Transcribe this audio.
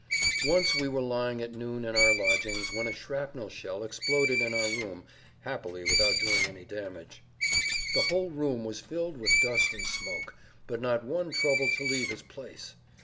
Once we were lying at noon in our lodgings when a shrapnel shell exploded in our room, happily without doing any damage. The whole room was filled with dust and smoke, but not one troubled to leave his place.